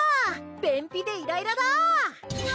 便秘でイライラだ！